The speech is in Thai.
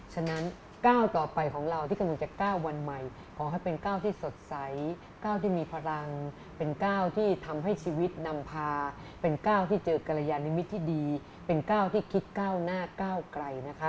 ฉะนั้นก้าวต่อไปของเราของเราที่กำลูกจะก้าววันใหม่